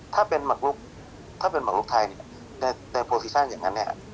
ถ้าเป็นหมักลูกถ้าเป็นหมักลูกไทยเนี่ยในในอย่างงั้นเนี่ย